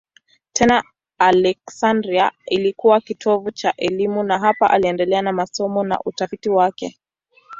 Tena Aleksandria ilikuwa kitovu cha elimu na hapa aliendelea na masomo na utafiti wake.